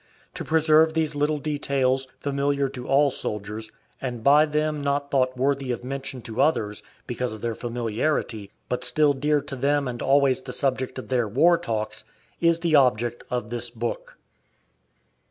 To preserve these little details, familiar to all soldiers, and by them not thought worthy of mention to others, because of their familiarity, but still dear to them and always the substance of their "war talks," is the object of this book.